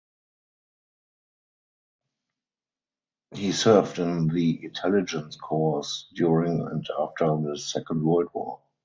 He served in the Intelligence Corps during and after the Second World War.